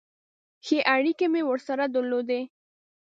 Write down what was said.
ښې اړیکې مې ورسره درلودې.